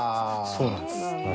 そうなんです。